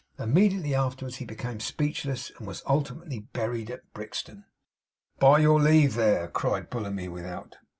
Immediately afterwards he became speechless, and was ultimately buried at Brixton.' 'By your leave there!' cried Bullamy, without.